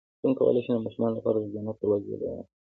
څنګه کولی شم د ماشومانو لپاره د جنت دروازې بیان کړم